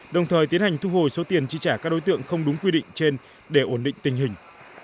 đồng thời tiến hành thu hồi số tiền chi trả các đối tượng không đúng quy định trên để ổn định tình hình